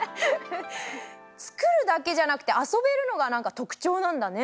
つくるだけじゃなくてあそべるのがなんかとくちょうなんだね。